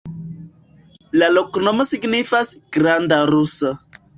La loknomo signifas: granda rusa.